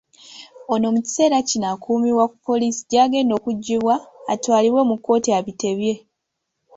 Ono mukiseera kino akuumibwa ku Poliisi gy'agenda okugyibwa atwalibwe mu kkooti abitebye.